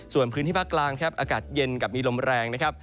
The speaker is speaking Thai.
ส่วนพื้นที่ภาคกลางครับอากาศเย็นกับมีลมแรงนะครับ